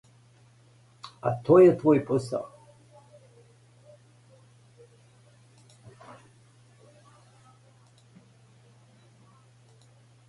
А то је твој посао.